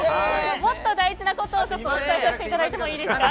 もっと大事なことをお伝えさせていただいてもいいですか。